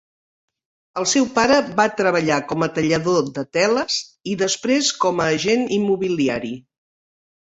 El seu pare va treballar com a tallador de teles i després com a agent immobiliari.